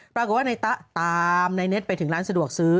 ปรากฏว่าในตะตามในเน็ตไปถึงร้านสะดวกซื้อ